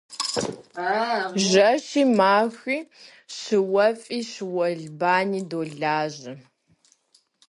Жэщи махуи щыуэфӏи щыуэлбани долажьэ.